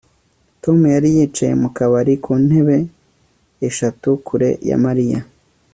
Tom yari yicaye ku kabari kuntebe eshatu kure ya Mariya